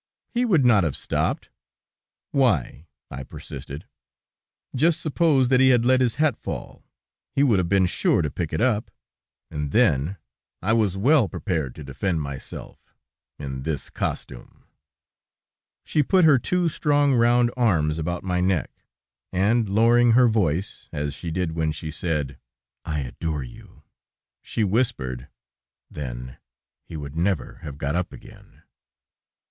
"He would not have stooped." "Why?" I persisted. "Just suppose that he had let his hat fall, he would have been sure to pick it up, and then... I was well prepared to defend myself, in this costume!" She put her two strong, round arms about my neck, and, lowering her voice, as she did when she said: "I adorre you," she whispered: "Then he would never have got up again."